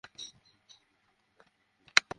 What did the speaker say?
সে নগরীতে প্রবেশ করল, যখন এর অধিবাসীরা ছিল অসতর্ক।